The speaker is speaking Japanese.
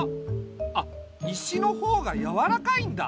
あ石の方がやわらかいんだ。